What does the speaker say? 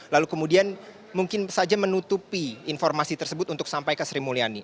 lalu kemudian mungkin saja menutupi informasi tersebut untuk sampai ke sri mulyani